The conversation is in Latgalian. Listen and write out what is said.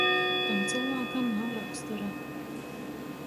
Tam cylvākam nav rakstura.